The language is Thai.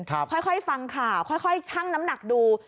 ค่อยฟังข่าวค่อยชั่งน้ำหนักดู